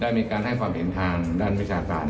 มีการให้ความเห็นทางด้านวิชาการ